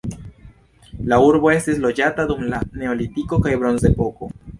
La urbo estis loĝata dum la neolitiko kaj bronzepoko.